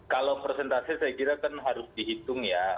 kalau persentase saya kira kan harus dihitung ya